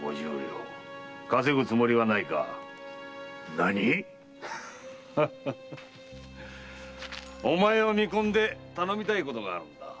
何⁉お前を見込んで頼みたいことがあるのだ。